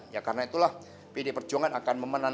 ya karena itulah pd perjuangan akan memenangkan